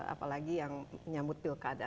apalagi yang menyambut pilkada